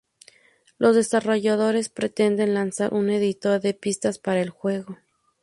Los desarrolladores pretenden lanzar un editor de pistas para el juego.